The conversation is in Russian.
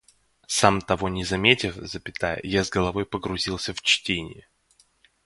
Сам того не заметив, я с головой погрузился в чтение